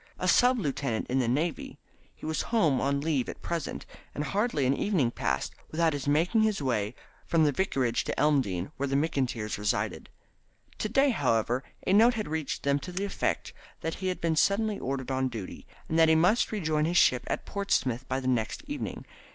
A sub lieutenant in the Navy, he was home on leave at present, and hardly an evening passed without his making his way from the Vicarage to Elmdene, where the McIntyres resided. To day, however, a note had reached them to the effect that he had been suddenly ordered on duty, and that he must rejoin his ship at Portsmouth by the next evening.